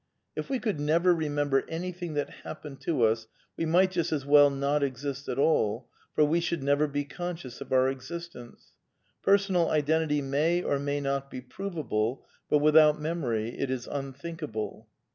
If we could never remember anything that happened to us we might just as well not exist at all, for we should never be conscious of our existence. Personal identity may or may not be provable, but without memory it is unthinkable.